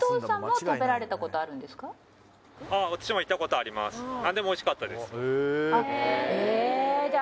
あっへえじゃあ